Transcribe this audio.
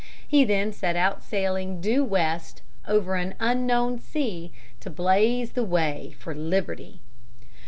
He then set out sailing due west over an unknown sea to blaze the way for liberty.